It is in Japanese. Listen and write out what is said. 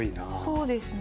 そうですね。